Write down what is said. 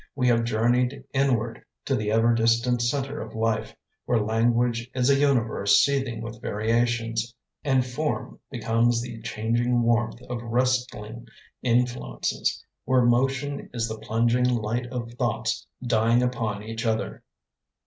We have journeyed inward To the ever distant center of life, Where language is a universe Seething with variations, And form becomes the changing warmth Of wrestling influences; Where motion is the plunging light of thoughts Dying upon each other.